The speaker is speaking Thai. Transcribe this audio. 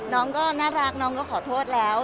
น้องก็น่ารักน้องก็ขอโทษแล้ว